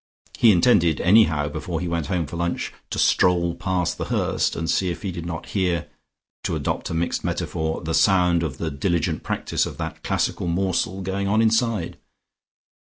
He intended anyhow before he went home for lunch to stroll past The Hurst, and see if he did not hear to adopt a mixed metaphor the sound of the diligent practice of that classical morsel going on inside.